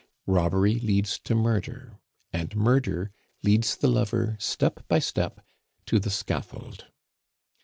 Robbery leads to murder, and murder leads the lover step by step to the scaffold.